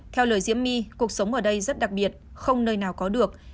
theo lời diễm my cuộc sống ở đây rất đặc biệt không nơi nào có được